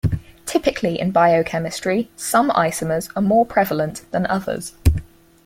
Typically in biochemistry, some isomers are more prevalent than others.